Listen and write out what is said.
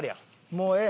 もうええ。